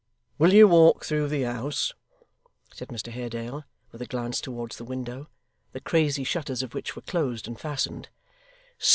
'Will you walk through the house?' said Mr Haredale, with a glance towards the window, the crazy shutters of which were closed and fastened.